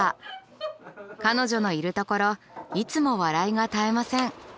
彼女のいる所いつも笑いが絶えません。